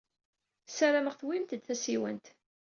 Ssarameɣ tewwimt-d tasiwant.